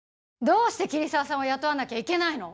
どうして桐沢さんを雇わなきゃいけないの？